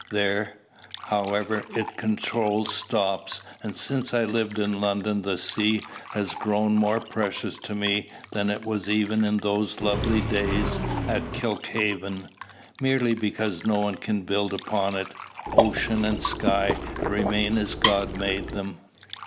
There, however, its "control stops;" and since I lived in London the sea has grown more precious to me than it was even in those lovely days at Kilkhaven, merely because no one can build upon it. Ocean and sky remain as God made them.